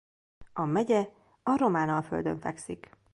A megye a Román-alföldön fekszik.